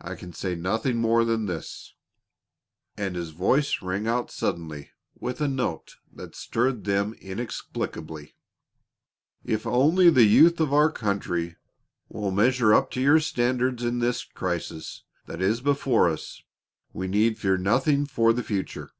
I can say nothing more than this," and his voice rang out suddenly with a note that stirred them inexplicably: "If only the youth of our country will measure up to your standards in the crisis that is before us, we need fear nothing for the future."